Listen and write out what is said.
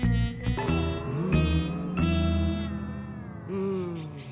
うん。